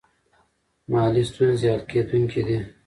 مالي ستونزې حل کیدونکې دي.